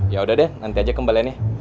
ya udah deh nanti aja kembaliannya